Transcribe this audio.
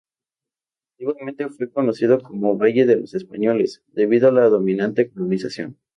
Antiguamente fue conocido como Valle de Los Españoles, debido a la dominante colonización.